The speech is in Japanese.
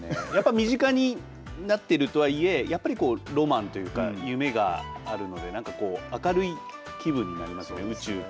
身近になっているとはいえやっぱりロマンというか夢があるので明るい気分になりますよね